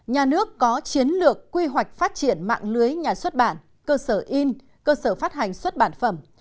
nhà nước có chiến lược quy hoạch phát triển mạng lưới nhà xuất bản cơ sở in cơ sở phát hành xuất bản phẩm